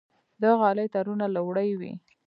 د غالۍ تارونه له وړۍ وي.